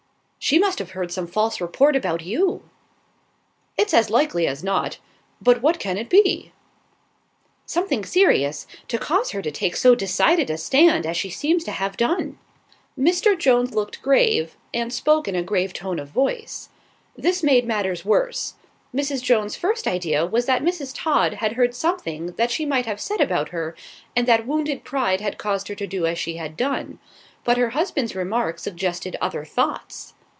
"She must have heard some false report about you." "It's as likely as not; but what can it be?" "Something serious, to cause her to take so decided a stand as she seems to have done." Mr. Jones looked grave, and spoke in a grave tone of voice. This made matters worse. Mrs. Jones's first idea was that Mrs. Todd had heard something that she might have said about her, and that wounded pride had caused her to do as she had done; but her husband's remark suggested other thoughts.